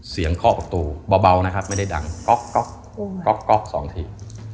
เสียงคอกประตูเบานะครับไม่ได้ดังก๊อกก๊อกก๊อกก๊อก๒ที